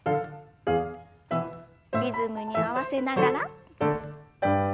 リズムに合わせながら。